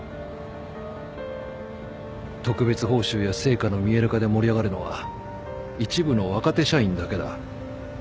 特別報酬や成果の見える化で盛り上がるのは一部の若手社員だけだ。